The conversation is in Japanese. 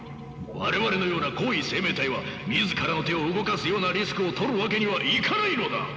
我々のような高位生命体は自らの手を動かすようなリスクをとるわけにはいかないのだ！